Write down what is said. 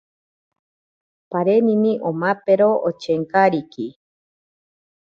Parinini omapero ochenkariki.